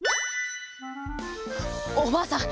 おばあさん